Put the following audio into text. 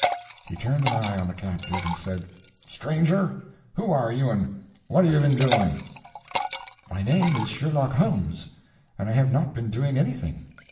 He turned an eye on the captive, and said, "Stranger, who are you, and what have you been doing?" "My name is Sherlock Holmes, and I have not been doing anything."